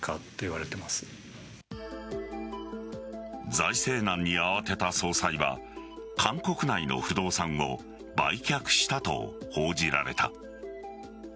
財政難に慌てた総裁は韓国内の不動産を売却したと報じられた。